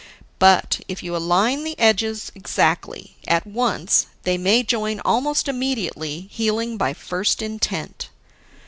But if you align the edges exactly, at once, they may join almost immediately healing by First Intent.